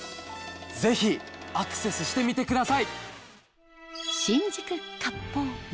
ぜひアクセスしてみてください！